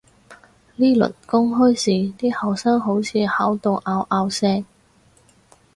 呢輪公開試啲考生好似考到拗拗聲